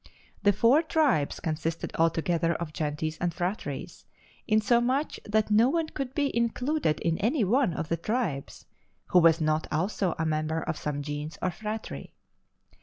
The four tribes consisted altogether of gentes and phratries, insomuch that no one could be included in any one of the tribes who was not also a member of some gens and phratry.